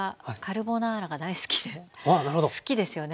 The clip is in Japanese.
好きですよね？